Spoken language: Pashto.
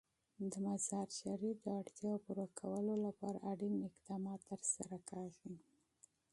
د مزارشریف د اړتیاوو پوره کولو لپاره اړین اقدامات ترسره کېږي.